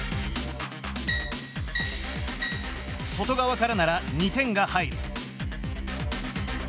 外側からなら２点が入る。